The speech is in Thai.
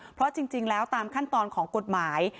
เพราะจริงแล้วตามขั้นตอนของกฎหมาย